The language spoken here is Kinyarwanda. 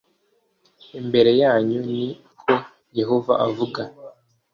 imbere yanyu ni ko Yehova avuga